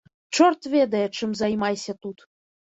Чорт ведае чым займайся тут.